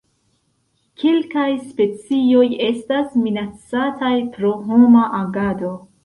Kelkaj specioj estas minacataj pro homa agado.